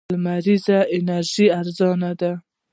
لمريزه انرژي ارزانه ده.